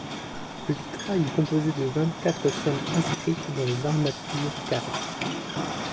Le vitrail est composé de vingt quatre scènes inscrites dans les armatures carrées.